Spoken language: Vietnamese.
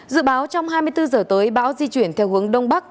dự báo trong hai mươi bốn giờ tới bão di chuyển theo hướng đông bắc